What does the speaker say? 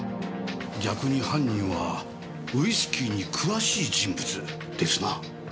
逆に犯人はウイスキーに詳しい人物ですな。